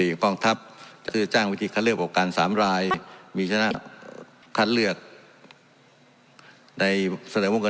นิยีของทัพจะจ้างวิธีคัดเลือกบอกการสามรายมีชั้นทัดเลือกในสเนวงใน